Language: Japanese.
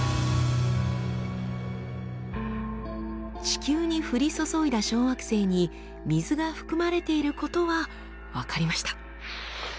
地球に降り注いだ小惑星に水が含まれていることは分かりました。